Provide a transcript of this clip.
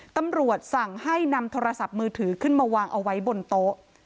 ตำรวจสั่งให้นำโทรศัพท์มือถือขึ้นมาวางเอาไว้บนโต๊ะ